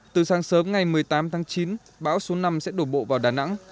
từ sáng sớm ngày một mươi tám tháng chín bão số năm sẽ đổ bộ vào đà nẵng